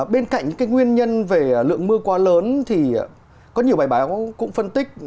bên cạnh những nguyên nhân về lượng mưa quá lớn thì có nhiều bài báo cũng phân tích